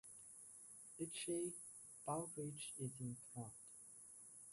H. A. Baldridge in command.